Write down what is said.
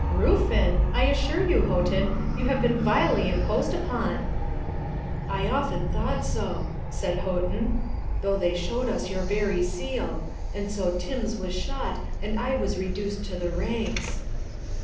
'Ruffin! I assure you, Houghton, you have been vilely imposed upon.' 'I often thought so,' said Houghton,'though they showed us your very seal; and so Tims was shot and I was reduced to the ranks.'